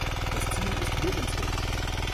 Das Ziel ist lobenswert.